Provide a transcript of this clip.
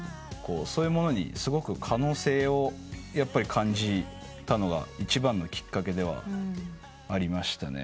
そういうものにすごく可能性を感じたのが一番のきっかけではありましたね。